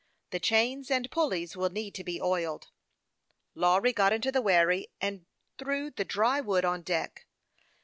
The chains and pulleys will need to be oiled.'' La\vry got into the wherry, and threw the dry wood on deck.